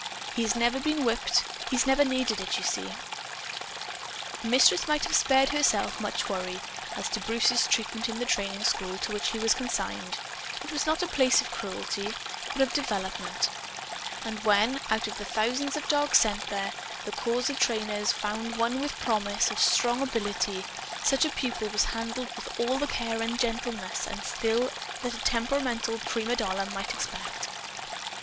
He's never been whipped. He's never needed it, you see." The Mistress might have spared herself much worry as to Bruce's treatment in the training school to which he was consigned. It was not a place of cruelty, but of development. And when, out of the thousands of dogs sent there, the corps of trainers found one with promise of strong ability, such a pupil was handled with all the care and gentleness and skill that a temperamental prima donna might expect.